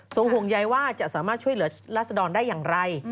ห่วงใยว่าจะสามารถช่วยเหลือรัศดรได้อย่างไร